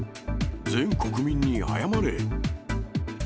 全国民に謝れ！